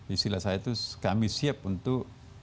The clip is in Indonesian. istilah saya itu kami siap untuk